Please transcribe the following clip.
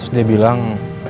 terus dia bilang